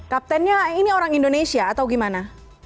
kaptennya ini orang indonesia atau gimana